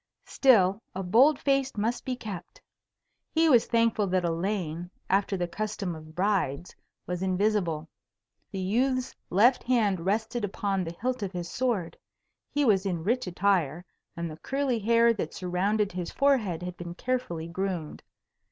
Still, a bold face must be kept. He was thankful that Elaine, after the custom of brides, was invisible. The youth's left hand rested upon the hilt of his sword; he was in rich attire, and the curly hair that surrounded his forehead had been carefully groomed.